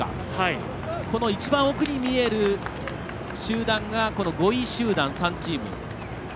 一番奥に見える集団が５位集団、３チーム。